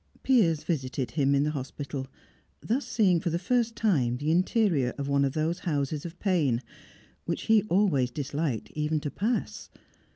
Piers visited him in the hospital, thus seeing for the first time the interior of one of those houses of pain, which he always disliked even to pass.